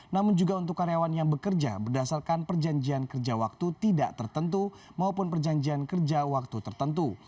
namun juga untuk karyawan yang bekerja berdasarkan perjanjian kerja waktu tidak tertentu maupun perjanjian kerja waktu tertentu